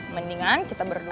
mendingan kita berdua